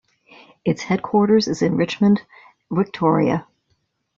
Its headquarters is in Richmond, Victoria.